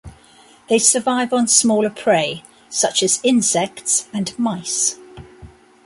They survive on smaller prey, such as insects and mice.